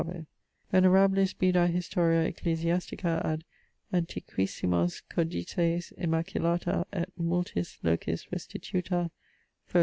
Venerabilis Bedae Historia ecclesiastica, ad antiquissimos codices emaculata et multis locis restituta: fol.